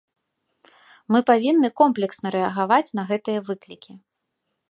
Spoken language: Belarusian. Мы павінны комплексна рэагаваць на гэтыя выклікі.